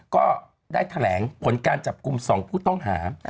ก็ได้แถลงผลการจับกลุ่ม๒ผู้ต้องหา